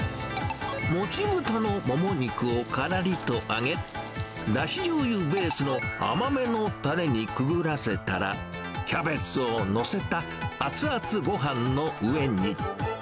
もちぶたのモモ肉をからりと揚げ、だしじょうゆベースの甘めのタレにくぐらせたら、キャベツを載せた熱々ごはんの上に。